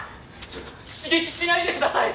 ちょっと刺激しないでください！